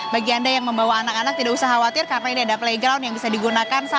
bagi anda yang membawa anak anak tidak usah khawatir karena ini ada playground yang bisa digunakan